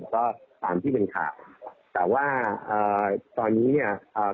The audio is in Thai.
ก็ตามที่เป็นข่าวแต่ว่าอ่าตอนนี้เนี่ยอ่า